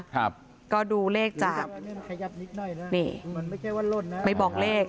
ครับก็ดูเลขจากนิดหน่อยฮะมันไม่ใช่ว่าไม่บอกเลข